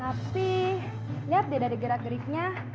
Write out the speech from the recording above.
tapi lihat deh dari gerak geriknya